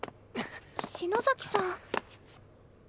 篠崎さん。